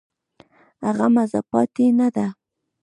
هغه مزه پاتې نه ده.